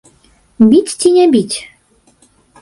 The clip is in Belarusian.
Біць ці не біць?